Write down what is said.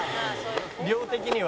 「量的には」